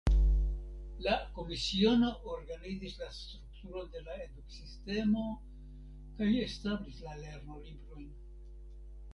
La Komisiono organizis la strukturon de la eduksistemo kaj establis la lernolibrojn.